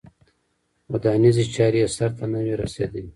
ودانیزې چارې یې سرته نه وې رسېدلې.